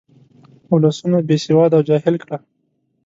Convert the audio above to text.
ولسونه بې سواده او جاهل کړه.